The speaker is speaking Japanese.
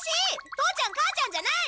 父ちゃん母ちゃんじゃない！